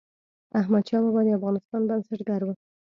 احمدشاه بابا د افغانستان بنسټګر و.